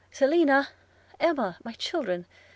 – Selina! Emma! my children!